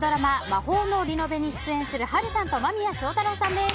「魔法のリノベ」に出演する波瑠さんと間宮祥太朗さんです。